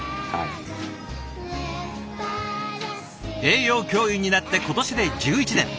栄養教諭になって今年で１１年。